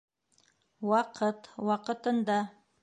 Ваҡыт, ваҡытында